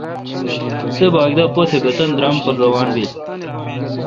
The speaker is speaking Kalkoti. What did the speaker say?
تے باگ دا بہ پتھ بہ تانی درام پر روان بیل